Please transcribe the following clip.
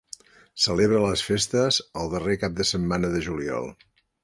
Celebra les festes el darrer cap de setmana de juliol.